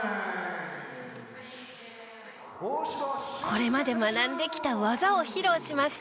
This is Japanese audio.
これまで学んできた技を披露します。